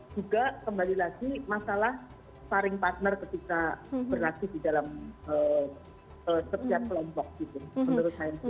juga kembali lagi masalah sparring partner ketika berlatih di dalam setiap kelompok gitu menurut saya